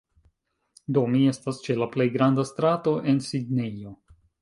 Do, mi estas ĉe la plej granda strato en Sidnejo